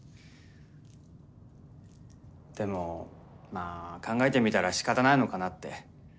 でもまあ考えてみたらしかたないのかなって。